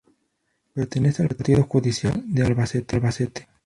Pertenece al Partido Judicial de Albacete.